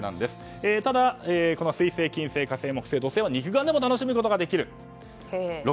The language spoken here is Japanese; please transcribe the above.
ただ、水星、金星、火星、土星木星は肉眼でも楽しむことができる。